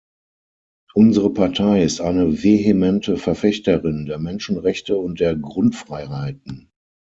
Unsere Partei ist eine vehemente Verfechterin der Menschenrechte und der Grundfreiheiten.